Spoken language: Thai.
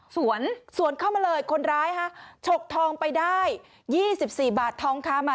สวนสวนเข้ามาเลยคนร้ายฮะฉกทองไปได้๒๔บาททองคำ